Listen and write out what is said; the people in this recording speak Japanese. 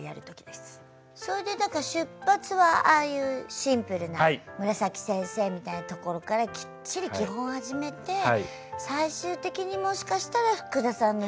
それでだから出発はああいうシンプルなむらさき先生みたいなところからきっちり基本を始めて最終的にもしかしたら福田さんの域に。